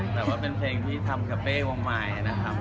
แต่ว่าเป็นเพลงที่ทำกับเป้วงใหม่นะครับ